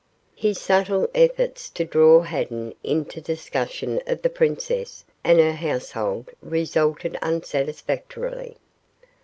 His subtle efforts to draw Haddan into a discussion of the princess and her household resulted unsatisfactorily.